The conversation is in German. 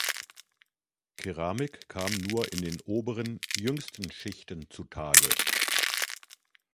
Keramik kam nur in den oberen, jüngsten Schichten zutage.